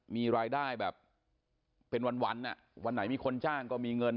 มีรายได้แบบเป็นวันวันไหนมีคนจ้างก็มีเงิน